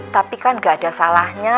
tapi kan gak ada salahnya